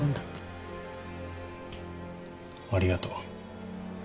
ありがとう。